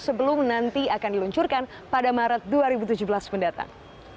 sebelum nanti akan diluncurkan pada maret dua ribu tujuh belas mendatang